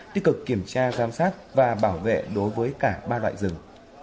tích cực kiểm tra giám sát và bảo vệ đối với cả ba loại rừng